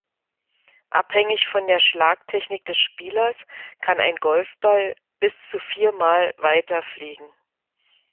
Abhängig von der Schlagtechnik des Spielers kann ein Golfball bis zu viermal weiter fliegen.